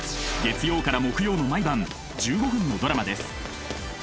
月曜から木曜の毎晩１５分のドラマです。